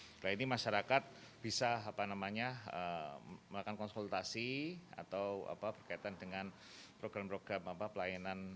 setelah ini masyarakat bisa melakukan konsultasi atau berkaitan dengan program program pelayanan